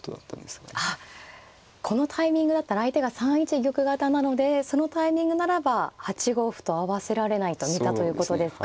あっこのタイミングだったら相手が３一玉型なのでそのタイミングならば８五歩と合わせられないと見たということですか。